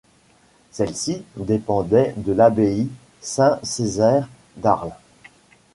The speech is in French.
Celle-ci dépendait de l'abbaye Saint-Césaire d'Arles.